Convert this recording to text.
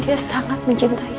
dia sangat mencintai anin